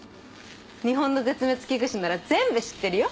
日本の絶滅危惧種なら全部知ってるよ。